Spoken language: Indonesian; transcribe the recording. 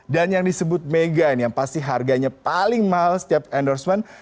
dan yang disebut mega ini yang pasti harganya paling mahal setiap endorsement